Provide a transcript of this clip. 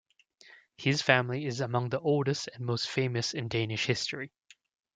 His family is among the oldest and most famous in Danish history.